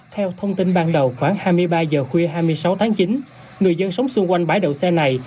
theo thông tin ban đầu khoảng hai mươi ba h khuya hai mươi sáu tháng chín người dân sống xung quanh bãi đậu xe này